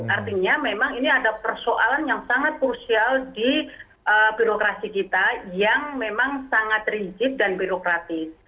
artinya memang ini ada persoalan yang sangat krusial di birokrasi kita yang memang sangat rigid dan birokratis